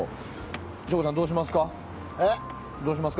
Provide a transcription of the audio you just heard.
省吾さん、どうしますか。